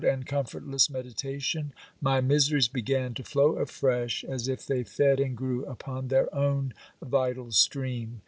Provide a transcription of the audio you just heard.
317 and comfortless meditation ; my miseries began to flow afresh, as if they fed and grew upon their own vital stream.